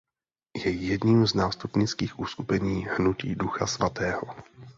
Je jedním z nástupnických uskupení Hnutí Ducha svatého.